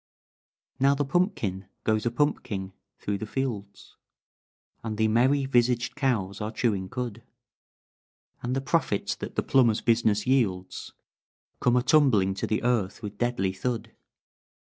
"Now the pumpkin goes a pumpking through the fields, And the merry visaged cows are chewing cud; And the profits that the plumber's business yields Come a tumbling to the earth with deadly thud.